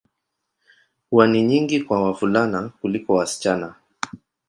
Huwa ni nyingi kwa wavulana kuliko wasichana.